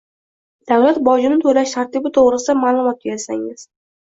Davlat bojini to‘lash tartibi to‘g‘risida ma’lumot bersangiz?